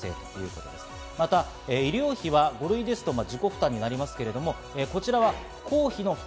そして医療費は５類ですと自己負担になりますけど、こちらは公費の負担。